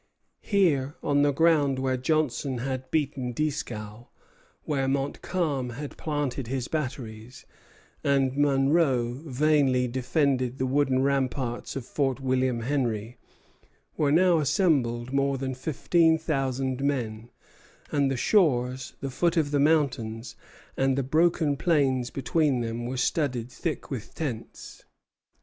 Here, on the ground where Johnson had beaten Dieskau, where Montcalm had planted his batteries, and Monro vainly defended the wooden ramparts of Fort William Henry, were now assembled more than fifteen thousand men; and the shores, the foot of the mountains, and the broken plains between them were studded thick with tents.